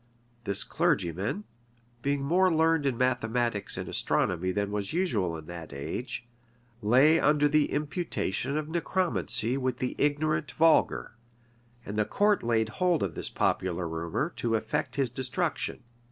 This clergyman, being more learned in mathematics and astronomy than was usual in that age, lay under the imputation of necromancy with the ignorant vulgar; and the court laid hold of this popular rumor to effect his destruction.